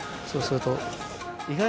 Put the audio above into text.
そうすると。